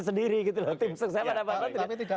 sendiri gitu loh tapi tidak